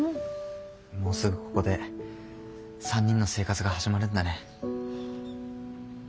もうすぐここで３人の生活が始まるんだね。